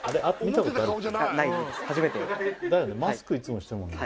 マスクいつもしてるもんね